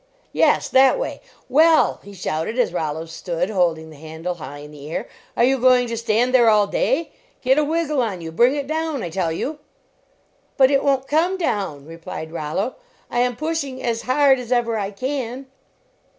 "Yes, that way. Well," he shouted, as Rollo stood holding the handle high in the air, " are you going to stand there all day? Get a wiggle on you ! Bring it down, I tell you!" 11 But it won t come down," replied Rollo, " I am pushing as hard as ever I can."